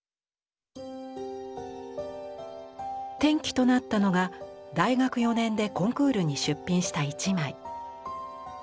転機となったのが大学４年でコンクールに出品した一枚。